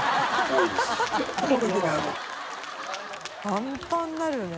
パンパンになるよね。